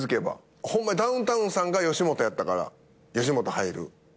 ホンマダウンタウンさんが吉本やったから吉本入る。